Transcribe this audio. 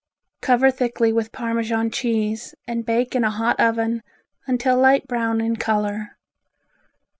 Cover thickly with Parmesan cheese and bake in a hot oven until light brown in color.